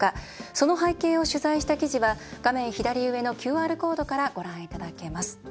その背景を取材した記事は画面左上のＱＲコードからご覧いただけます。